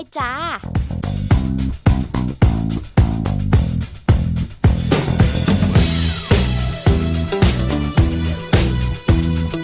จริง